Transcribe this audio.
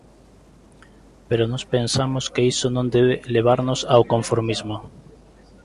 Pero nós pensamos que iso non debe levarnos ao conformismo.